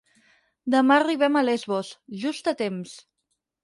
Demà arribem a Lesbos, just a temps.